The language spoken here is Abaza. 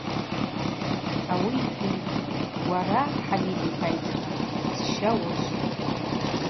Ауи йхӏвитӏ: Уара, Хӏамид йпайцӏба, сща уыжвтӏ.